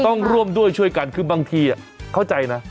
ต้องร่วมด้วยช่วยกันคือบางทีเข้าใจนะ